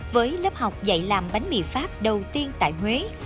với lớp học dạy làm bánh mì pháp đầu tiên tại huế